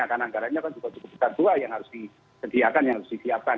karena anggarannya kan juga cukup besar dua yang harus disediakan yang harus disiapkan